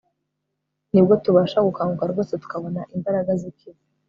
nibwo tubasha gukanguka rwose tukabona imbaraga z'ikibi